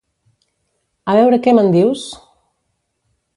A veure què me'n dius?